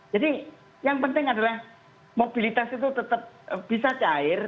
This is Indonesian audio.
jadi yang penting adalah mobilitas itu tetap bisa cair